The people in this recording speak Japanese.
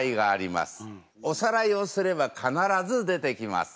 おさらいをすれば必ず出てきます。